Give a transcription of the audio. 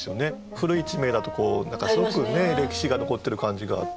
古い地名だと何かすごく歴史が残ってる感じがあって。